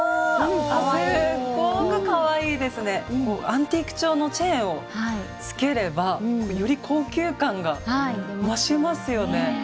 アンティーク調のチェーンをつければより高級感が増しますよね。